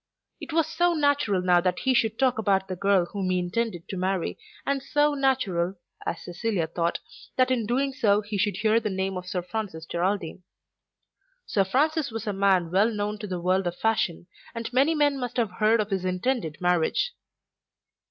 It was so natural now that he should talk about the girl whom he intended to marry, and so natural, as Cecilia thought, that in doing so he should hear the name of Sir Francis Geraldine. Sir Francis was a man well known to the world of fashion, and many men must have heard of his intended marriage.